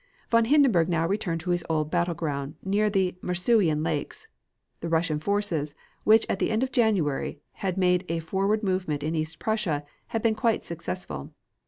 Von Hindenburg now returned to his old battle ground near the Masurian Lakes. The Russian forces, which, at the end of January, had made a forward movement in East Prussia, had been quite successful.